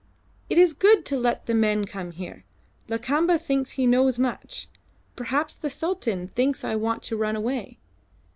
"It is good to let the man come here. Lakamba thinks he knows much. Perhaps the Sultan thinks I want to run away.